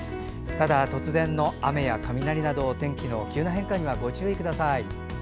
ただ、突然の雨や雷などお天気の急な変化にはご注意ください。